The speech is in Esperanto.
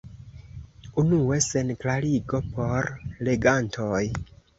Unue sen klarigo por legantoj.